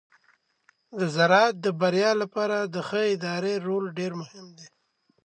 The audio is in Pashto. د زراعت د بریا لپاره د ښه ادارې رول ډیر مهم دی.